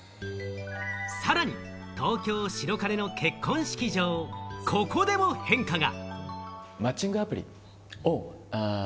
さらに東京・白金の結婚式場、ここでも変化が。